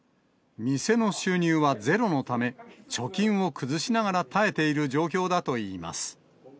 店の収入はゼロのため、貯金を崩しながら耐えている状況だといいます。